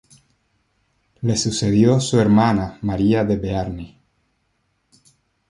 Le sucedió su hermana María de Bearne.